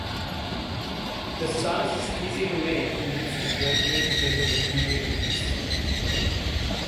The sauce is easy to make and uses readily available ingredients.